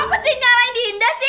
kok tinggalin dinda sih